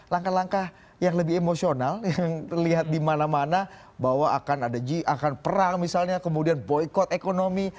langkah langkah yang lebih emosional yang terlihat di mana mana bahwa akan ada perang misalnya kemudian boykot ekonomi